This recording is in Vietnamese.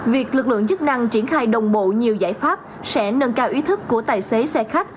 việc lực lượng chức năng triển khai đồng bộ nhiều giải pháp sẽ nâng cao ý thức của tài xế xe khách